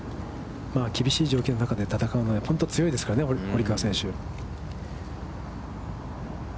厳しい状況の中で戦うのは、本当に強いですからね、堀川選手。